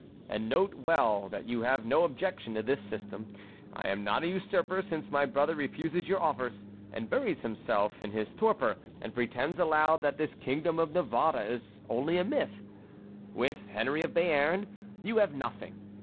And note well that you have no objection to this system. I am not a usurper, since my brother refuses your offers, and buries himself in his torpor, and pretends aloud that this kingdom of Navarre is only a myth. With Henry of Béarn you have nothing.